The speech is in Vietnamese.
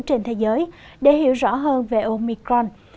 trên thế giới để hiểu rõ hơn về omicron